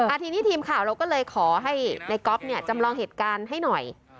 ทีนี้ทีมข่าวเราก็เลยขอให้ในก๊อฟเนี่ยจำลองเหตุการณ์ให้หน่อย